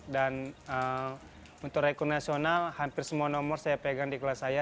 dan untuk rekor nasional hampir semua nomor saya pegang di kelas saya